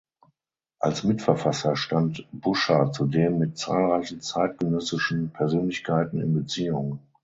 Als Mitverfasser stand Buscher zudem mit zahlreichen zeitgenössischen Persönlichkeiten in Beziehung.